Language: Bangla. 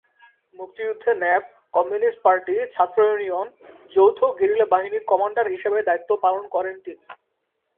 মুক্তিযুদ্ধে ন্যাপ-কমিউনিস্ট পার্টি-ছাত্র ইউনিয়ন যৌথ গেরিলা বাহিনীর কমান্ডার হিসাবে দায়িত্ব পালন করেন তিনি।